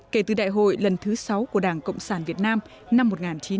kể từ đại hội lần thứ sáu của đảng cộng sản việt nam năm một nghìn chín trăm tám mươi